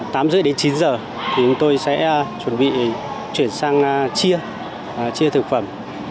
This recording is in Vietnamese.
tám h ba mươi đến chín giờ thì chúng tôi sẽ chuẩn bị chuyển sang chia chia thực phẩm